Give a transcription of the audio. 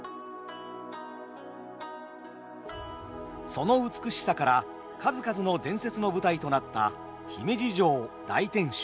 その美しさから数々の伝説の舞台となった姫路城大天守。